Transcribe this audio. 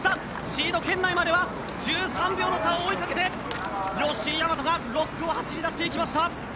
シード圏内までは１３秒の差を追いかけて吉居大和が６区を走り出していきました。